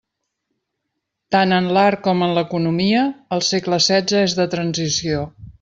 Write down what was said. Tant en l'art com en l'economia, el segle setze és de transició.